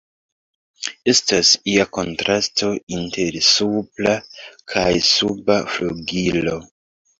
Estas ia kontrasto inter supra kaj suba flugilo.